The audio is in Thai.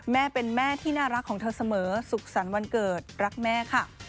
แม่เป็นแม่ที่น่ารักของเธอเสมอสุขสรรค์วันเกิดรักแม่ค่ะ